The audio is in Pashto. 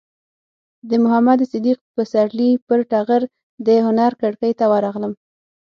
د محمد صدیق پسرلي پر ټغر د هنر کړکۍ ته ورغلم.